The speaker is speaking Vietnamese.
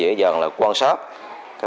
cái vấn đề của trường là